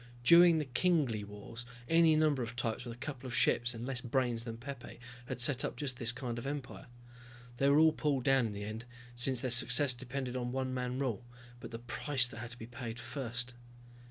During the Kingly Wars any number of types with a couple of ships and less brains than Pepe had set up just this kind of empire. They were all pulled down in the end, since their success depended on one man rule. But the price that had to be paid first!